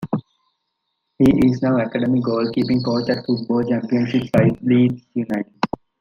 He is now academy goalkeeping coach at Football Championship side Leeds United.